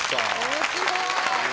面白い。